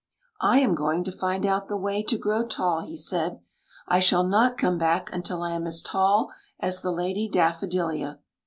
" I am going to find out the way to grow tall," he said. " I shall not come back until I am as tall as the Lady Daffodilia."